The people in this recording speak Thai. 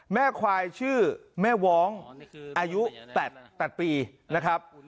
แม่ควายชื่อแม่ว้องอายุ๘ปีนะครับ